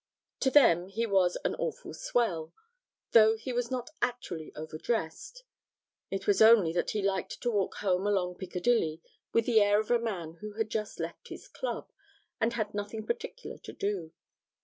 To them he was 'an awful swell'; though he was not actually overdressed it was only that he liked to walk home along Piccadilly with the air of a man who had just left his club and had nothing particular to do.